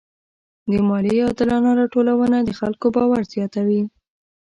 د مالیې عادلانه راټولونه د خلکو باور زیاتوي.